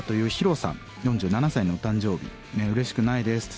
４７歳のお誕生日うれしくないですって